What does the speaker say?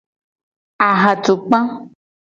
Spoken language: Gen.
Ahatukpa.